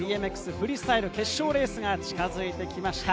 フリースタイル決勝レースが近づいてきました。